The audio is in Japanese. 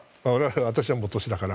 私はもう年だから。